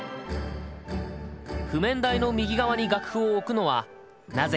譜面台の右側に楽譜を置くのはなぜか分かるか？